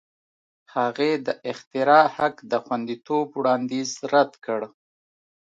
هغې د اختراع حق د خوندیتوب وړاندیز رد کړ.